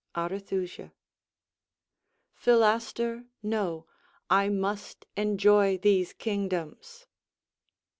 Arethusa Philaster, know, I must enjoy these kingdoms.